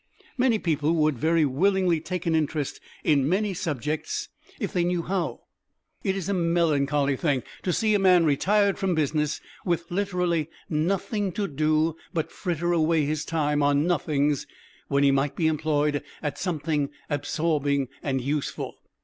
Many people would very willingly take an interest in many subjects if they knew how. It is a melancholy thing to see a man retired from business with literally nothing to do but fritter away his time on nothings when he might be employed at something absorbing and useful.